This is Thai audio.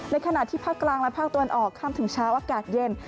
ขณะที่ภาคกลางและภาคตะวันออกข้ามถึงเช้าอากาศเย็น